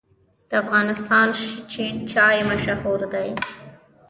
د افغانستان شین چای مشهور دی